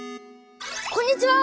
こんにちは！